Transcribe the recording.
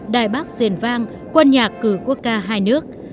đài bắc diền vang quân nhạc cử quốc ca hai nước